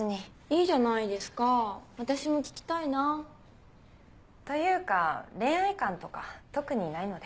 いいじゃないですかぁ私も聞きたいな。というか恋愛観とか特にないので。